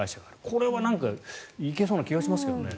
これはなんかいけそうな気がしますけどね。